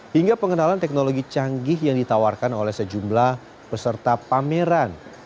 hingga pengenalan teknologi canggih yang ditawarkan oleh sejumlah peserta pameran